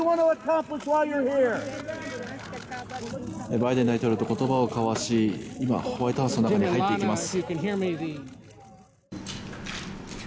バイデン大統領と言葉を交わし今、ホワイトハウスの中に入っていきます。